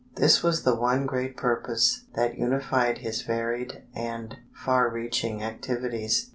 This was the one great purpose that unified his varied and far reaching activities.